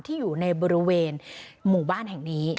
อยู่ในบริเวณหมู่บ้านแห่งนี้